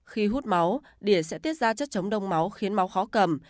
khi hút máu đỉa sẽ tiết ra chất chống đông máu khiến máu khó cầm